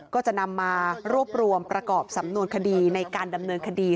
ก็จะนำมารวบรวมประกอบสำนวนคดีในการดำเนินคดี